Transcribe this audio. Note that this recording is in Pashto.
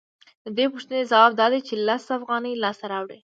د دې پوښتنې ځواب دا دی چې لس افغانۍ لاسته راوړي